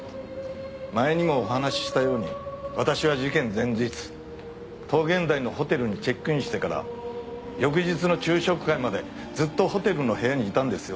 前にもお話ししたように私は事件前日桃源台のホテルにチェックインしてから翌日の昼食会までずっとホテルの部屋にいたんですよ。